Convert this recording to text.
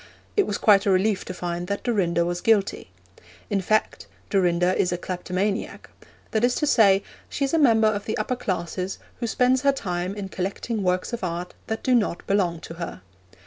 It was quite a relief to find that Dorinda was guilty. In fact, Dorinda is a kleptomaniac; that is to say, she is a member of the upper classes who spends her time in collecting works of art that do not belong to her.